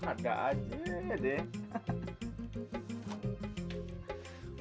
harga aja deh